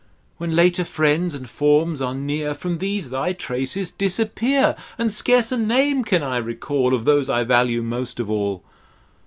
When later friends and forms are near ; From these thy traces disappear^, And scarce a name can I recall Of those I value most of all.